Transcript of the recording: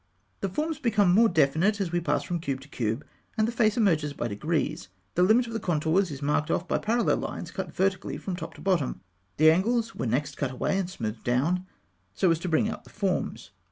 The forms become more definite as we pass from cube to cube, and the face emerges by degrees. The limit of the contours is marked off by parallel lines cut vertically from top to bottom. The angles were next cut away and smoothed down, so as to bring out the forms.